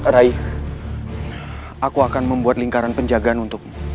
rai aku akan membuat lingkaran penjagaan untukmu